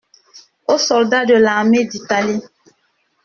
Aux soldats de l'armée d'Italie.